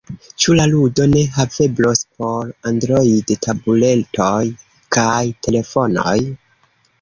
Ĉu la ludo ne haveblos por Android-tabuletoj kaj telefonoj?